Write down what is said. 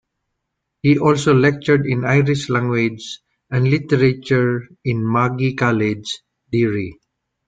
He also lectured in Irish language and literature in Magee College, Derry.